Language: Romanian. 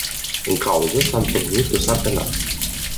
În cauză s-a întocmit dosar penal.